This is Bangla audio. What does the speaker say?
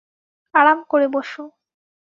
আরাম করে বসো।